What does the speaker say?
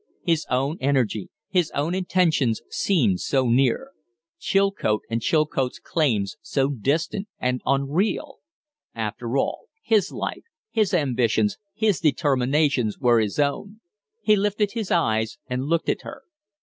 His own energy, his own intentions, seemed so near; Chilcote and Chilcote's claims so distant and unreal. After all, his life, his ambitions, his determinations, were his own. He lifted his eyes and looked at her.